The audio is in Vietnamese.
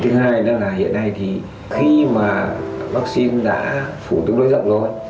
thứ hai đó là hiện nay thì khi mà vắc xin đã phủ tương đối rộng rồi